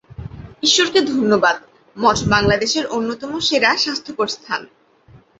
ঈশ্বরকে ধন্যবাদ, মঠ বাঙলাদেশের অন্যতম সেরা স্বাস্থ্যকর স্থান।